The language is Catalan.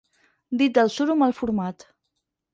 Dit del suro mal format.